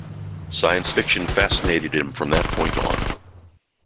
Science fiction fascinated him from that point on.